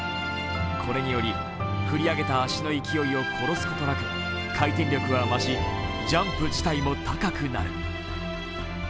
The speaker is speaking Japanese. これにより、振り上げた足の勢いを殺すことなく回転力は増し、ジャンプ自体も高くなる。